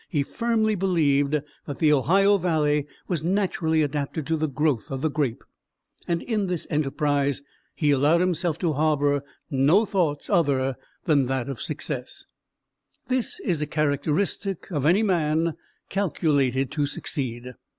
He firmly believed that the Ohio valley was naturally adapted to the growth of the grape, and in this enterprise he allowed himself to harbor no thoughts other than of success. This is a characteristic of any man calculated to succeed.